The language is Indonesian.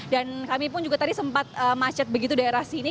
dan kami pun juga tadi sempat macet begitu daerah sini